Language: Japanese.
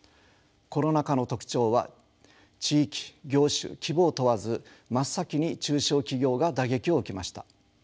コロナ禍の特徴は地域業種規模を問わず真っ先に中小企業が打撃を受けました。